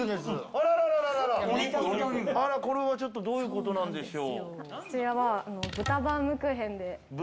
あらら、これはちょっとどういうことなんでしょう？